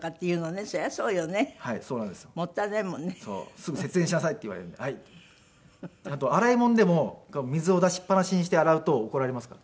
すぐ「節電しなさい」って言われるんで「はい」って。あと洗い物でも水を出しっぱなしにして洗うと怒られますから。